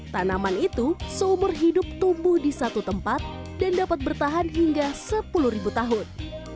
tanaman itu seumur hidup tumbuh di satu tempat dan dapat bertahan hingga sepuluh tahun